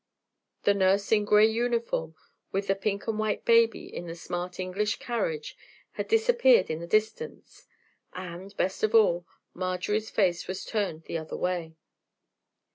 The nurse in gray uniform with the pink and white baby in the smart English carriage, had disappeared in the distance, and, best of all, Marjorie's face was turned the other way.